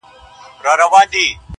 راته بدي یې ښکاریږي کږې غاړي،